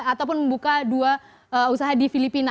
ataupun membuka dua usaha di filipina